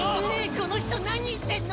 この人何言ってんの？